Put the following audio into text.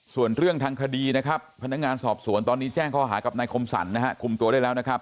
ส่วนเรื่องทางคดีนะครับพนักงานสอบสวนตอนนี้แจ้งข้อหากับนายคมสรรนะฮะคุมตัวได้แล้วนะครับ